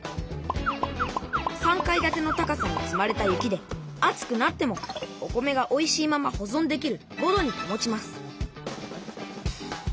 ３階建ての高さに積まれた雪で暑くなってもお米がおいしいままほぞんできる５度にたもちます